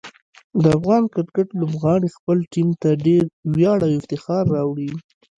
د افغان کرکټ لوبغاړي خپل ټیم ته ډېر ویاړ او افتخار راوړي.